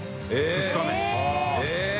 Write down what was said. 「２日目」